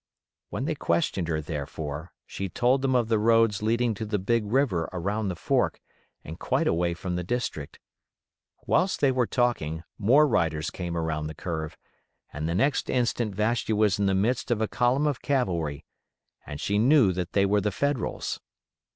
When they questioned her, therefore, she told them of the roads leading to the big river around the fork and quite away from the district. Whilst they were still talking, more riders came around the curve, and the next instant Vashti was in the midst of a column of cavalry, and she knew that they were the Federals.